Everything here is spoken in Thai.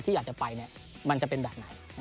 อยากจะไปมันจะเป็นแบบไหน